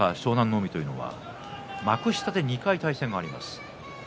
海は幕下で２回対戦があります。